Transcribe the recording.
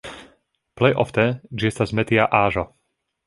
Plej ofte ĝi estas metia aĵo.